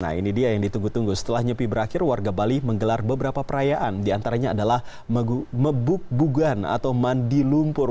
nah ini dia yang ditunggu tunggu setelah nyepi berakhir warga bali menggelar beberapa perayaan diantaranya adalah mebuk bugan atau mandi lumpur